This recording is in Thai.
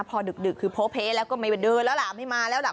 พอดึกคือโพเพแล้วก็ไม่ว่าเดินแล้วล่ะไม่มาแล้วล่ะ